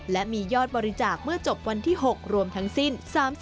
และมียอดบริจาคเมื่อจบวันที่๖รวมทั้งสิ้น